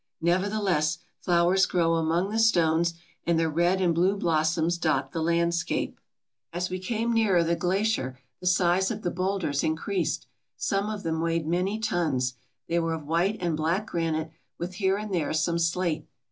Nevertheless, flowers grow among the stones and their red and blue blossoms dot the landscape. As we came nearer the glacier the size of the boulders increased. Some of them weighed many tons. They were of white and black granite with here and there some slate.